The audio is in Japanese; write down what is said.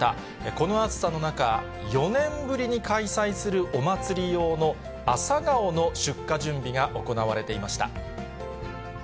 この暑さの中、４年ぶりに開催するお祭り用の朝顔の出荷準備が行われていました。